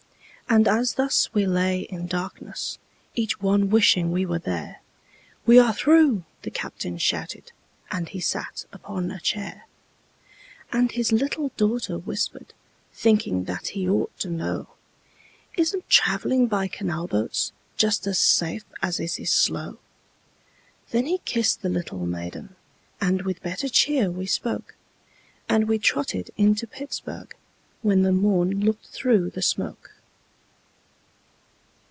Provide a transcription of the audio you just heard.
And as thus we lay in darkness, Each one wishing we were there, "We are through!" the captain shouted, And he sat upon a chair. And his little daughter whispered, Thinking that he ought to know, "Isn't travelling by canal boats Just as safe as it is slow?" Then he kissed the little maiden, And with better cheer we spoke, And we trotted into Pittsburg, When the morn looked through the smoke.